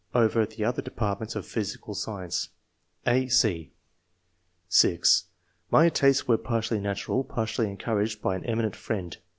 over the other departments of physical science/' (a, c) (6) " My tastes were partly natural, partly encouraged by an eminent friend